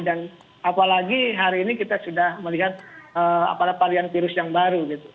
dan apalagi hari ini kita sudah melihat apalagi virus yang baru